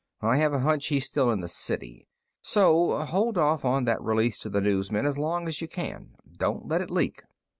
I have a hunch he's still in the city. So hold off on that release to the newsmen as long as you can. Don't let it leak.